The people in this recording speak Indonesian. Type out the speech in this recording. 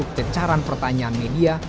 untuk kecaran pertanyaan media